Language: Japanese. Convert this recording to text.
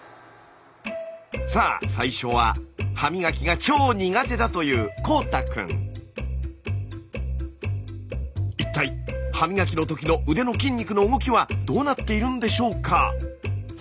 さあ最初は歯磨きが超苦手だという一体歯磨きの時の腕の筋肉の動きはどうなっているんでしょうか？